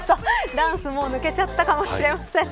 ダンスも抜けちゃったかもしれません。